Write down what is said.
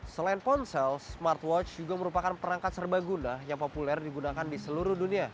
selain ponsel smartwatch juga merupakan perangkat serba guna yang populer digunakan di seluruh dunia